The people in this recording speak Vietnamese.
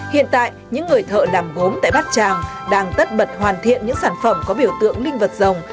hiện tại những người thợ làm gốm tại bát tràng đang tất bật hoàn thiện những sản phẩm có biểu tượng linh vật rồng